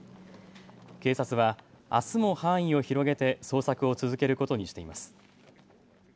警察はあすも範囲を広げて捜索を続けることにしています。